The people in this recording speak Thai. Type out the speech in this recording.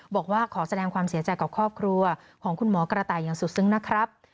บอกว่าขอแสดงความเสียใจกับครอบครัวของคุณหมอกระต่ายอย่างสุดซึ้งนะครับ